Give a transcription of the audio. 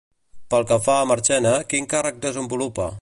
Pel que fa a Marchena, quin càrrec desenvolupa?